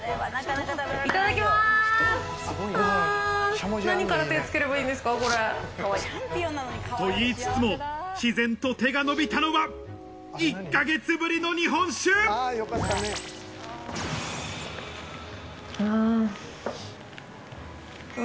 いただきます！と言いつつも自然と手が伸びたのは１か月ぶりの日本酒うん！